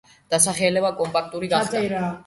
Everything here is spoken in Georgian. დასახლება კომპაქტური გახდა.